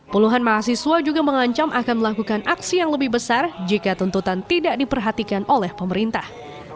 puluhan mahasiswa juga mengancam akan melakukan aksi yang lebih besar jika tuntutan tidak diperhatikan oleh pemerintah